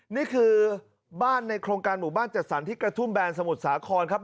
นี่คือบ้านในโครงการหมู่บ้านจัดสรรที่กระทุ่มแบนสมุทรสาครครับ